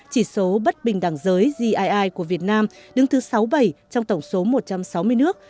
chỉ số bất bình đẳng giới của việt nam đứng thứ sáu bảy trong tổng số một trăm sáu mươi nước